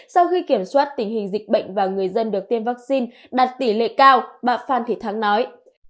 sau khi kiểm soát tình hình dịch bệnh và người dân được tiêm vaccine đạt tỷ lệ cao bà phan thị thắng nói